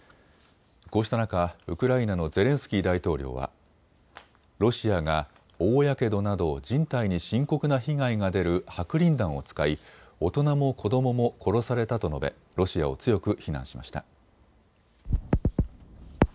こうした中、ウクライナのゼレンスキー大統領はロシアが大やけどなど人体に深刻な被害が出る白リン弾を使い大人も子どもも殺されたと述べ、ロシアを強く非難しました。